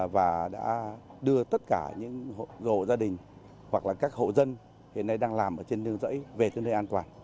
và đã đưa tất cả những gồ gia đình hoặc là các hộ dân hiện nay đang làm trên đường rẫy về tương đề an toàn